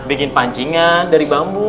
bikin pancingan dari bambu